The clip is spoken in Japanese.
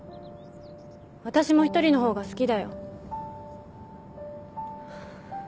私も一人の方が好きだよ